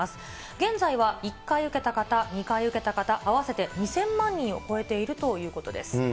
現在は１回受けた方、２回受けた方、合わせて２０００万人を超えているということです。